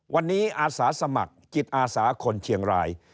วันนี้อาสาสมัครจิตอาสาคนเชียงราย